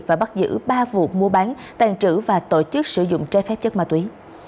và bắt giữ ba vụ mua bán tàn trữ và tổ chức sử dụng trái phép chất ma túy